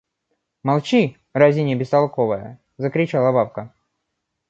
Молчи, разиня бестолковая! – закричала бабка.